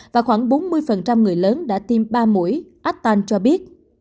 và khoảng bốn mươi người lớn đã tiêm ba mũi attah cho biết